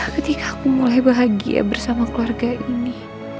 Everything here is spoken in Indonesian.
ketika aku mulai bahagia bersama keluarga ini